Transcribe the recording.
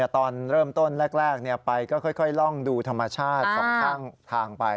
ตอนเริ่มต้นแรกไปก็ค่อยล่องดูธรรมชาติสองข้างทางไป